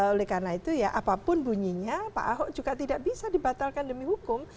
oleh karena itu ya apapun bunyinya pak ahok juga tidak bisa dibatalkan demi hukum